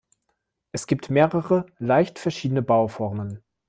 Es gibt mehrere, leicht verschiedene Bauformen.